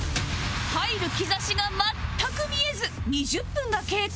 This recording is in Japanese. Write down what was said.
入る兆しが全く見えず２０分が経過